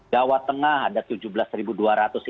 jawa tengah ada rp tujuh belas dua ratus